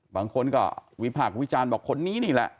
บางคนก็วิพากษ์วิจารณ์บอกคนนี้นี่แหละ